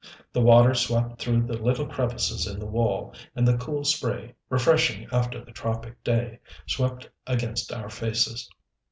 The water swept through the little crevices in the wall, and the cool spray, refreshing after the tropic day, swept against our faces.